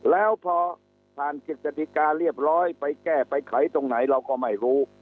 แล้วพอผ่านกิจการเรียบร้อยไปแก้ไปไขตรงไหนเราก็ไม่รู้